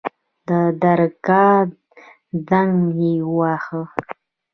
د درګاه زنګ يې وواهه.